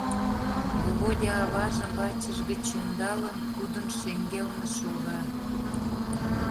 Володя, аважым вачыж гыч ӧндалын, тудын шеҥгелне шога.